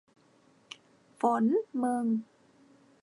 ฝน มึง